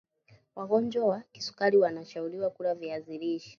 wagonjwa wa kisukari wana shauriwa kula viazi lishe